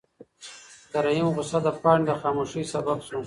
د رحیم غوسه د پاڼې د خاموشۍ سبب شوه.